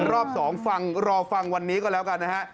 รอบ๒ฟังรอฟังวันนี้ก็แล้วกันนะฮะ